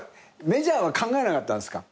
メジャーは考えなかったんですか？